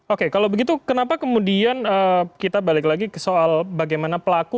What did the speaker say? oke kalau begitu kenapa kemudian kita balik lagi ke soal bagaimana pelaku